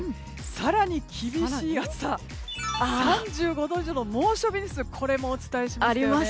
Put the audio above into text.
更に厳しい暑さ３５度以上の猛暑日日数もお伝えしましたよね。